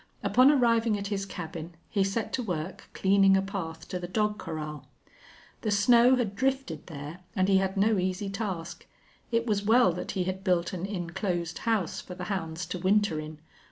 Upon arriving at his cabin he set to work cleaning a path to the dog corral. The snow had drifted there and he had no easy task. It was well that he had built an inclosed house for the hounds to winter in.